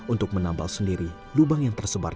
untuk menambal sendiri lubang yang tersebar